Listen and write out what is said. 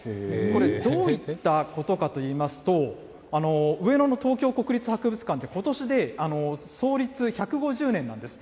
これ、どういったことかといいますと、上野の東京国立博物館、ことしで創立１５０年なんです。